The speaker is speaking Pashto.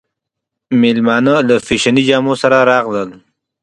مېلمانه له فېشني جامو سره راغلل.